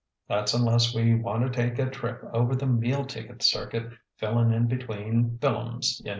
That's unless we want to take a trip over the meal ticket circuit fillin' in between filums, yunno.